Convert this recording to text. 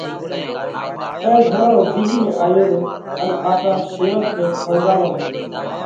تئيون گھڻو رِينه ۾ آيو رو ان آپرا شيوَڪ نئہ وۯڳاوَوا مڏيو: